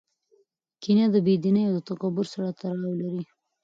کینه د بدبینۍ او تکبر سره تړاو لري.